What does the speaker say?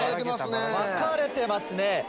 分かれてますね。